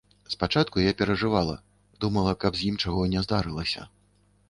Спачатку я перажывала, думала, каб з ім чаго не здарылася.